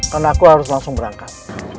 karena aku harus langsung berangkat